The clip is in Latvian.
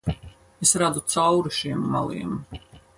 Es redzu cauri šiem meliem.